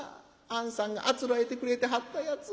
あんさんがあつらえてくれてはったやつ。